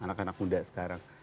anak anak muda sekarang